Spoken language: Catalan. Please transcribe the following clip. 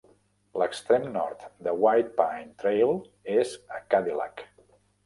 L'extrem nord de White Pine Trail és a Cadillac.